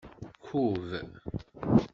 Kubb.